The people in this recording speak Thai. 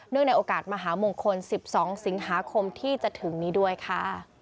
ในโอกาสมหามงคล๑๒สิงหาคมที่จะถึงนี้ด้วยค่ะ